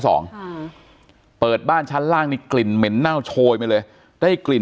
สองค่ะเปิดบ้านชั้นล่างนี่กลิ่นเหม็นเน่าโชยมาเลยได้กลิ่น